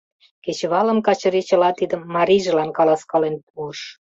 Кечывалым Качырий чыла тидым марийжылан каласкален пуыш.